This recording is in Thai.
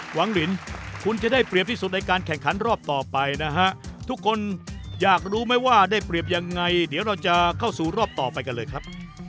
หวังลินคุณจะได้เปรียบที่สุดในการแข่งขันรอบต่อไปนะฮะทุกคนอยากรู้ไหมว่าได้เปรียบยังไงเดี๋ยวเราจะเข้าสู่รอบต่อไปกันเลยครับ